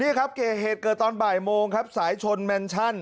นี่ครับเหตุเกิดตอนบ่ายโมงครับสายชนแมนชั่น